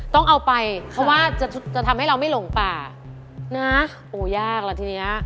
ต้องเอาไปเพราะว่าจะจะทำให้เราไม่หลงป่านะโอ้ยากแล้วทีเนี้ย